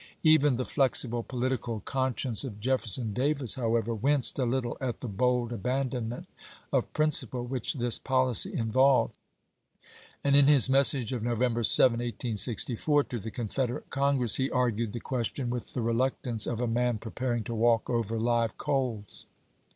Even the flexible political conscience of Jefferson Davis, however, winced a little at the bold aban donment of principle which this policy involved, and in his message of November 7, 1864, to the Confederate Congress he argued the question with the reluctance of a man preparing to walk overlive coals.